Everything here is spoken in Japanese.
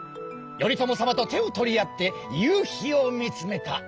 頼朝様と手を取り合って夕日を見つめたあの日々！